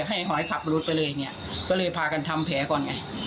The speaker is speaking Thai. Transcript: หอยขับรถไปเลยเนี่ยก็เลยพากันทำแผลก่อนไง